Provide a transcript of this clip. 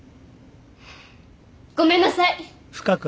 ごめんなさい！